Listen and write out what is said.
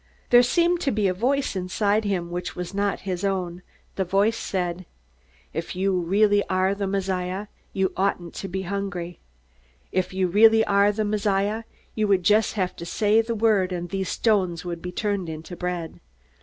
There seemed to be a voice inside him which was not his own. The voice said: "_If you really are the Messiah, you oughtn't to be hungry. If you really are the Messiah, you would just have to say the word and these stones would be turned into bread.